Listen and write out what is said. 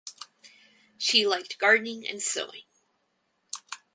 She liked gardening and sewing.